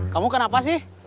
kamu kenapa sih